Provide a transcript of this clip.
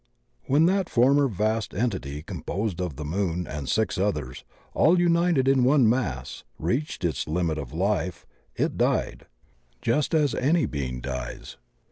When that former vast entity composed of the Moon and six others, all united in one mass, reached its limit of life it died just as any being dies.